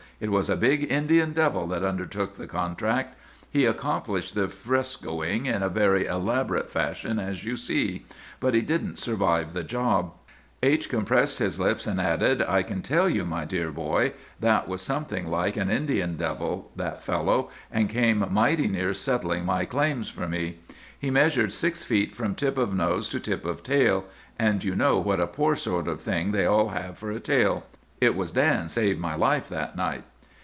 It was a big Indian devil that undertook the contract. He accomplished the frescoing in a very elaborate fashion, as you see. But he didn't survive the job.' "H—— compressed his lips, and added, 'I can tell you, my dear boy, that was something like an Indian devil, that fellow, and came mighty near settling my claims for me. He measured six feet from tip of nose to tip of tail, and you know what a poor sort of thing they all have for a tail. It was Dan saved my life that night.